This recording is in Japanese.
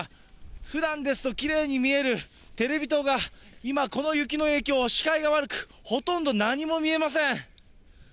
ふだんですときれいに見えるテレビ塔が、今、この雪の影響、視界が悪く、ほとんど、何も見えません。